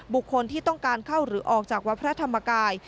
บุคคลที่ต้องการเข้าหรือออกจากวัดพระธรรมกาย